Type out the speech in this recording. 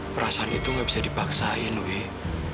perasaan itu gak bisa dipaksain week